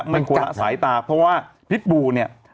มันคนละสายตาเพราะว่าพิษบูเนี่ย